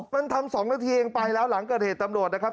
มันทำ๒นาทีเองไปแล้วหลังเกิดเหตุตำรวจนะครับ